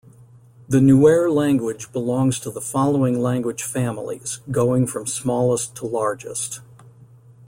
The Nuer language belongs to the following language families, going from smallest to largest.